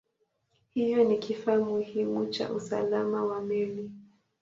Hivyo ni kifaa muhimu cha usalama wa meli.